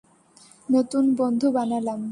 নতুন বন্ধু বানালাম।